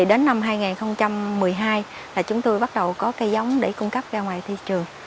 đến năm hai nghìn một mươi hai chúng tôi bắt đầu có cây giống để cung cấp ra ngoài thị trường